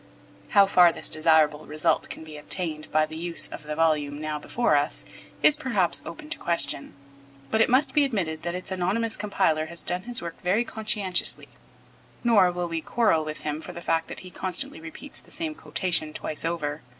How far this desirable result can be attained by a use of the volume now before us is, perhaps, open to question, but it must be admitted that its anonymous compiler has done his work very conscientiously, nor will we quarrel with him for the fact that he constantly repeats the same quotation twice over.